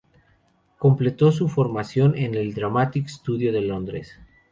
Completó su formación en el Dramatic Studio de Londres.